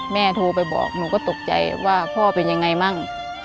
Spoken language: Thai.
โทรไปบอกหนูก็ตกใจว่าพ่อเป็นยังไงมั่ง